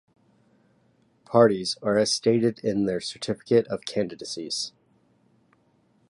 Parties are as stated in their certificate of candidacies.